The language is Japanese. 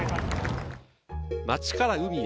街から海へ。